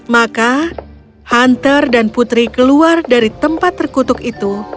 maka hunter dan putri keluar dari tempat terkutuk itu